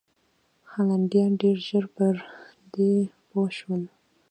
هالنډیان ډېر ژر پر دې پوه شول.